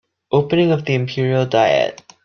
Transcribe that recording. Opening of the Imperial diet.